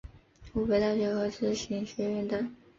湖北大学知行学院等